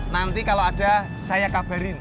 nanti kalau ada saya kabarin